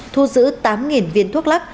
thu giữ tám viên thuốc lắc